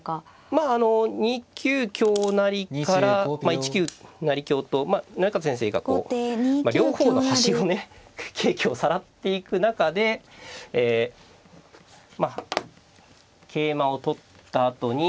まああの２九香成から１九成香と行方先生がこう両方の端をね桂香をさらっていく中でえ桂馬を取ったあとに。